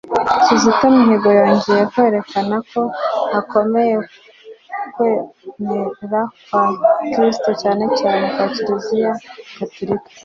Kizito Mihigo yongeye kwerekana ko akomeye ku kwemera kwa gikristu cyane cyane kwa kiliziya gaturika